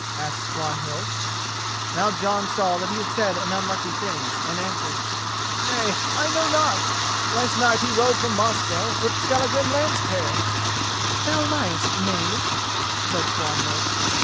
asked Swanhild. Now Jon saw that he had said an unlucky thing, and answered: "Nay, I know not. Last night he rode from Mosfell with Skallagrim Lambstail." "Thou liest, knave," said Swanhild.